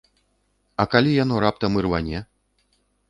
А калі яно раптам ірване?